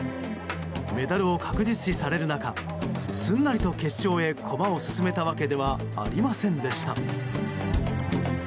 メダルを確実視される中すんなりと決勝へ駒を進めたわけではありませんでした。